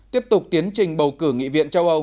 tiếp tục tiến trình bầu cử nghị viện châu âu